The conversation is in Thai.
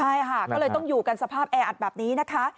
ใช่ค่ะเค้าเลยอยู่กันสภาพแออัดแบบนี้นะคะ